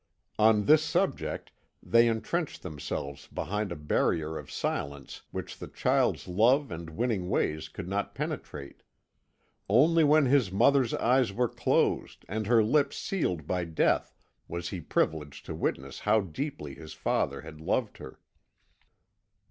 On this subject they entrenched themselves behind a barrier of silence which the child's love and winning ways could not penetrate. Only when his mother's eyes were closed and her lips sealed by death was he privileged to witness how deeply his father had loved her.